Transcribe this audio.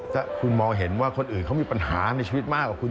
ถ้าคุณมองเห็นว่าคนอื่นเขามีปัญหาในชีวิตมากกว่าคุณ